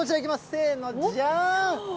せーの、じゃん。